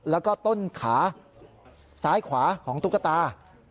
แล้วก็ต้นขาซ้ายขวาของตุ๊กตา